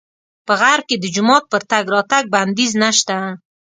په غرب کې د جومات پر تګ راتګ بندیز نه شته.